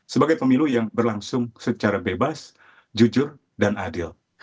sebagai pemilu yang berlangsung secara bebas jujur dan adil